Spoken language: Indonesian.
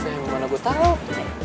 ya gimana gua taruh